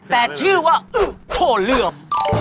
แต่ชื่อว่าโหเหลือม